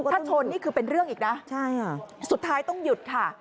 ถ้าชนนี่คือเป็นเรื่องอีกนะสุดท้ายต้องหยุดค่ะ